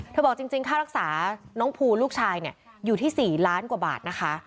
บอกจริงค่ารักษาน้องภูลูกชายเนี่ยอยู่ที่๔ล้านกว่าบาทนะคะ